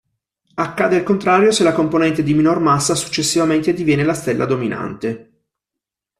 Accade il contrario se la componente di minor massa successivamente diviene la stella dominante.